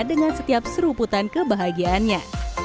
dengan setiap seruputan kebahagiaannya